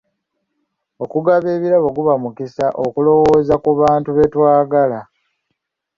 Okugaba ebirabo guba mukisa okulowooza ku bantu betwagala.